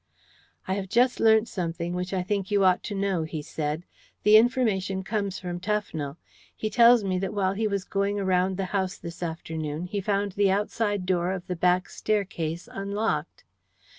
"I have just learnt something which I think you ought to know," he said. "The information comes from Tufnell. He tells me that while he was going around the house this afternoon he found the outside door of the back staircase unlocked."